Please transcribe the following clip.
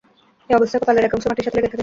এ অবস্থায় কপালের এক অংশ মাটির সাথে লেগে থাকে।